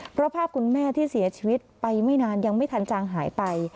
เพราะภาพคุณแม่ที่เสียชีวิตไปไม่นานยังไม่ทันจางหายไป